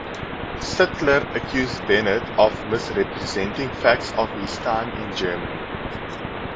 Sittler accused Bennett of misrepresenting facts of his time in Germany.